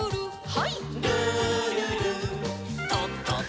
はい。